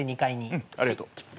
うんありがとう。